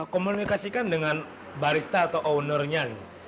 komunikasikan dengan barista atau ownernya